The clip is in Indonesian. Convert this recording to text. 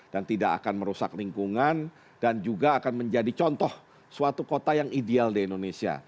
dan tidak akan merusak lingkungan dan juga akan menjadi contoh suatu kota yang ideal di indonesia